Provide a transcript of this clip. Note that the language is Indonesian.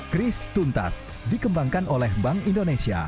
kris tuntas dikembangkan oleh bank indonesia